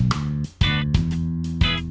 aku mau panggil nama atu